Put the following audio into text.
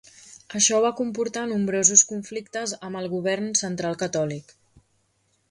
Això va comportar nombrosos conflictes amb el govern central catòlic.